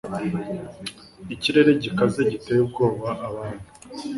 ikirere gikaze giteye ubwoba abantu